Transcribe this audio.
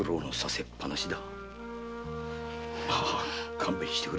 勘弁してくれ。